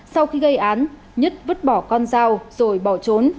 sau khi gây án nhất vứt bỏ con dao rồi bỏ trốn